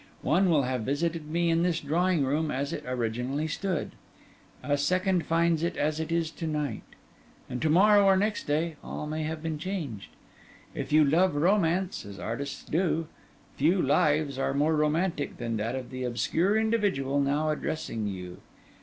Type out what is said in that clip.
One will have visited me in this drawing room as it originally stood; a second finds it as it is to night; and to morrow or next day, all may have been changed. If you love romance (as artists do), few lives are more romantic than that of the obscure individual now addressing you.